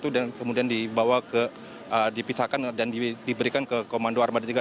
dan kemudian dibawa ke dipisahkan dan diberikan ke komando armada tiga